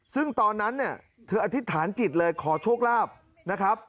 ซึ่งตอนนั้นเนี่ยเธออธิษฐานจิตเลยขอโชคลาภนะครับ